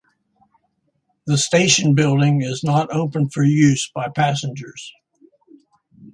The station building is not open for use by passengers.